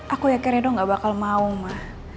aku yakin reno gak bakal mau ma